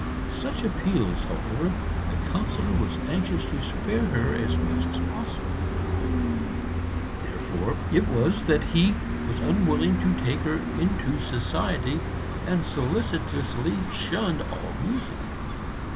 Such appeals, however, the Councillor was anxious to spare her as much as possible; therefore it was that he was unwilling to take her into society, and solicitously shunned all music.